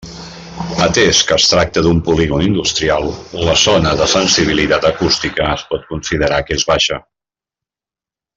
Atès que es tracta d'un polígon industrial, la zona de sensibilitat acústica es pot considerar que és baixa.